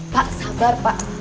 pak sabar pak